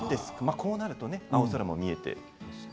こうなると青空が見えて。